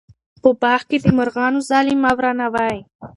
په باغ کې د مرغانو ځالې مه ورانوئ.